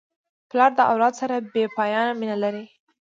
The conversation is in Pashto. پلار د اولاد سره بېپایانه مینه لري.